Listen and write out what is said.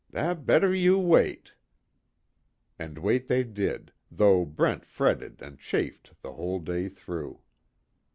Dat better you wait." And wait they did, though Brent fretted and chafed the whole day through.